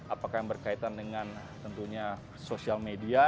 apakah yang berkaitan dengan tentunya sosial media